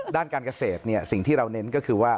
ด้านการเกษตรสิ่งที่เราเน้นก็คือว่า